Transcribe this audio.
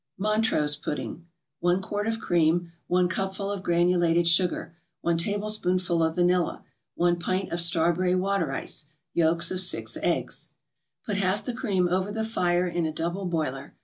MONTROSE PUDDING 1 quart of cream 1 cupful of granulated sugar 1 tablespoonful of vanilla 1 pint of strawberry water ice Yolks of six eggs Put half the cream over the fire in a double boiler.